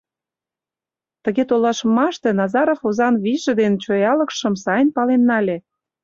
Тыге толашымаште Назаров озан вийже ден чоялыкшым сайын пален нале.